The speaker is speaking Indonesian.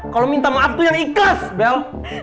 kalo minta maaf itu yang ikhlas bel